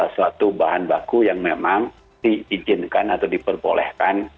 suatu bahan baku yang memang diizinkan atau diperbolehkan